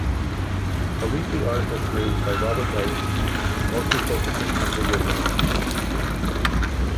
A weekly article series by Robert Rath mostly focusing on video games.